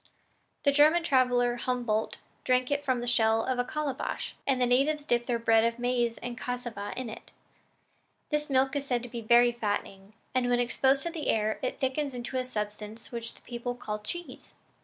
The German traveler Humboldt drank it from the shell of a calabash, and the natives dip their bread of maize or cassava in it. This milk is said to be very fattening; and when exposed to the air, it thickens into a substance which the people call cheese."